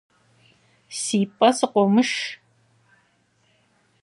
Си пӏэ сыкъумыш.